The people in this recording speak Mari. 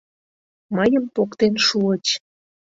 Мыйым поктен шуыч.